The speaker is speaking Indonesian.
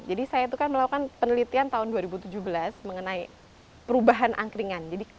jadi saya itu kan melakukan penelitian tahun dua ribu tujuh belas mengenai perubahan angkringan